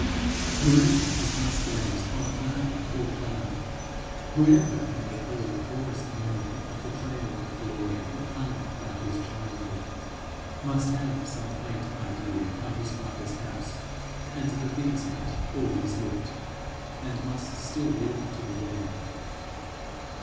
Whoever has thus gazed on flower or cloud; whoever can recall poorest memory of the trail of glory that hung about his childhood, must have some faint idea how his father's house and the things in it always looked, and must still look to the Lord.